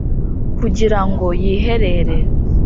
kugira ngo yiherere